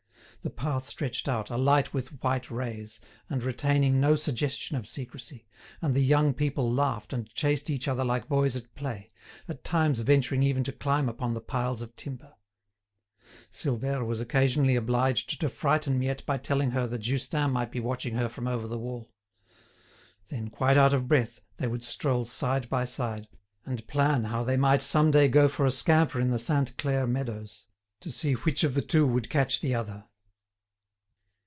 The path stretched out, alight with white rays, and retaining no suggestion of secrecy, and the young people laughed and chased each other like boys at play, at times venturing even to climb upon the piles of timber. Silvère was occasionally obliged to frighten Miette by telling her that Justin might be watching her from over the wall. Then, quite out of breath, they would stroll side by side, and plan how they might some day go for a scamper in the Sainte Claire meadows, to see which of the two would catch the other.